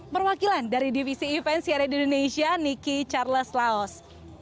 perwakilan dari divisi event siaran indonesia niki charles laos